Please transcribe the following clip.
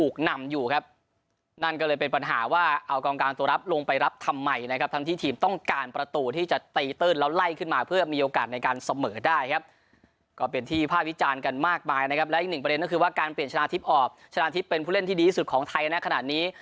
การเปลี่ยนชนะทิพย์ออกชนะทิพย์เป็นผู้เล่นที่ดีสุดของไทยนะขนาดนี้